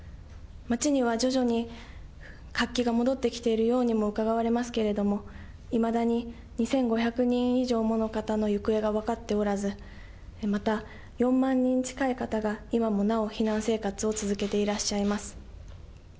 町には徐々に活気が戻ってきているようにもうかがわれますけれども、いまだに、２５００人以上もの方の行方が分かっておらず、また４万人近い方が、今もなお避難生活を続けていらっしゃいます。